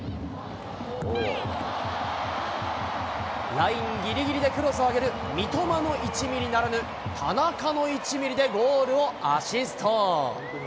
ラインぎりぎりでクロスを上げる三笘の１ミリならぬ、田中の１ミリでゴールをアシスト。